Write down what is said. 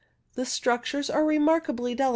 The structures are remarkably delicate